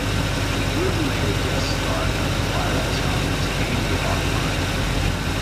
Rubin later guest starred on "The Twilight Zone" as Amy Hawkline.